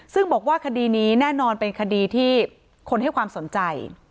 ซึ่งบอกว่าคดีนี้แน่นอนเป็นคดีที่คนให้ความสนใจ